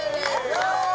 ・すごい！